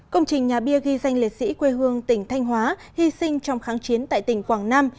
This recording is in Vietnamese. công trình nhà bia ghi danh liệt sĩ quê hương tỉnh thanh hóa hy sinh trong kháng chiến tại tỉnh quảng nam